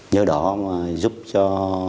nhờ đó mà giúp cho